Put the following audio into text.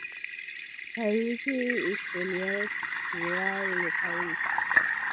Klyuchi is the nearest rural locality.